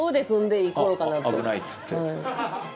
「あっ危ない」っつって。